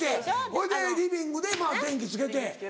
ほいでリビングでまぁ電気つけて。